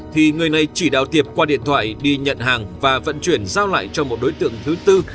thì người này chỉ đạo tiệp qua điện thoại đi nhận hàng và vận chuyển giao lại cho một đối tượng thứ tư